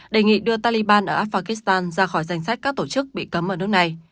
đề nghị đưa taliban ở afghan ra khỏi danh sách các tổ chức bị cấm ở nước này